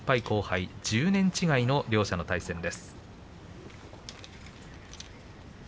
１０年違いの両者の対戦。